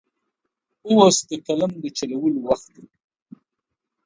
اوس د قلم د چلولو وخت دی.